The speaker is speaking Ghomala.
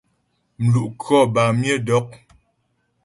Mlu' khɔ bâ myə dɔk.